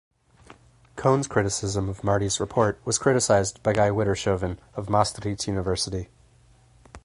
Keown's criticism of Marty's report was criticised by Guy Widdershoven of Maastricht University.